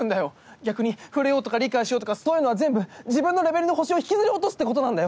逆に触れようとか理解しようとかそういうのは全部自分のレベルに星を引きずり落とすってことなんだよ。